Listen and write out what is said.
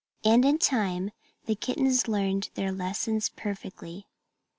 And in time the kittens learned their lessons perfectly.